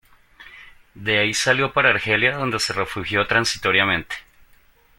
De ahí salió para Argelia donde se refugió transitoriamente.